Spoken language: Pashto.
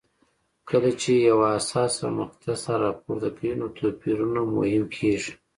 کله چې یوه حساسه مقطعه سر راپورته کوي توپیرونه مهم کېږي.